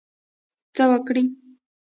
څه وکړی.